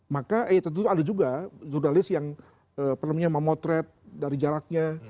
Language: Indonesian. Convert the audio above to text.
maka eh tentu ada juga jurnalis yang memotret dari jaraknya